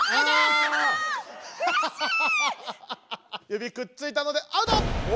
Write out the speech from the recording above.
指くっついたのでアウト！